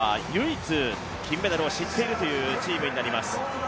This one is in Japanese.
この９チームの中では唯一、金メダルを知っているというチームになります。